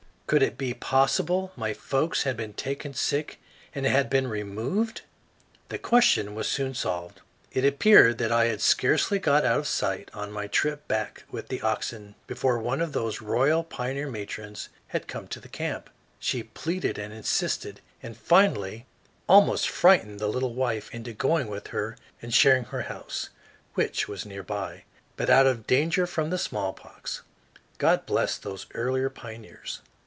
Could it be possible my folks had been taken sick and had been removed? The question was soon solved. It appeared that I had scarcely got out of sight on my trip back with the oxen before one of those royal pioneer matrons had come to the camp. She pleaded and insisted, and finally almost frightened the little wife into going with her and sharing her house, which was near by, but out of danger from the smallpox. God bless those earlier pioneers!